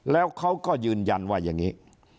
แล้วเขาก็ยืนยันว่าอย่างนี้